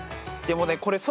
でもね。